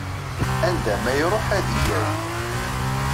Anda ma iruḥ ad yi-yawi.